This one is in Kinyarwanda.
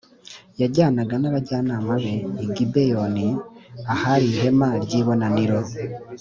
yajyanaga n’abajyanama be i gibeyoni ahari ihema ry’ibonaniro